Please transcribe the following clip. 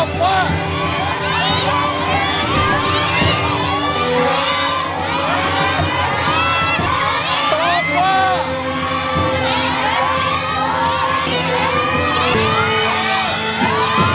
ค่อยคิดไม่ต้องที่